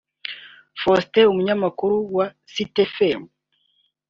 Faustin (umunyamakuru wa contact fm)